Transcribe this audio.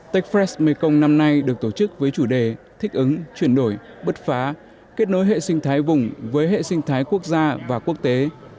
techfres mekong năm nay được tổ chức với chủ đề thích ứng chuyển đổi bứt phá kết nối hệ sinh thái vùng với hệ sinh thái quốc gia và quốc tế